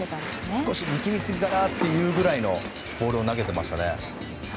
少し力みすぎかなというぐらいのボールを投げていました。